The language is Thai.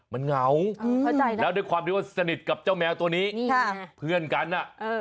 มันเหงาแล้วด้วยความรู้สนิทกับเจ้าแมวตัวนี้เพื่อนกัน